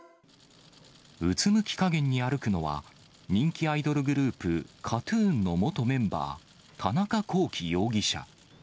うつむきかげんに歩くのは、人気アイドルグループ、ＫＡＴーＴＵＮの元メンバー、田中聖容疑者。